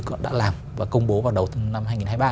cũng đã làm và công bố vào đầu năm hai nghìn hai mươi ba